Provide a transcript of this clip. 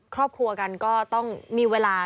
ครอบครัวกันก็ต้องมีเวลา